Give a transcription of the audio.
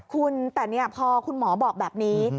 คุณแต่พอคุณหมอบอกแบบนี้